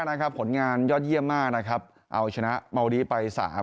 เกมแรกนะครับผลงานยอดเยี่ยมมากนะครับเอาชนะเมื่อวันดีไปคร่ะ